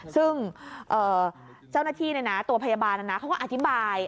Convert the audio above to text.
ซึ่งเจ้าหน้าที่ตัวพยาบาลเขาก็อธิบาย